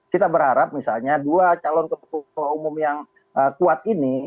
kita berharap misalnya dua calon ketua umum yang kuat ini